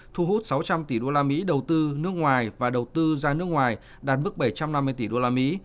thu hút sáu trăm linh tỷ usd đầu tư nước ngoài và đầu tư ra nước ngoài đạt mức bảy trăm năm mươi tỷ usd